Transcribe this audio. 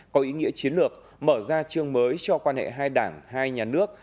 có ý nghĩa chiến lược mở ra chương mới cho quan hệ hai đảng hai nhà nước